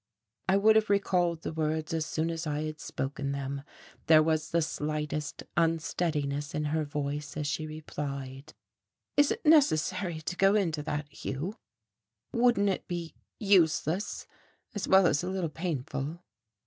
I would have recalled the words as soon as I had spoken them. There was the slightest unsteadiness in her voice as she replied: "Is it necessary to go into that, Hugh? Wouldn't it be useless as well as a little painful?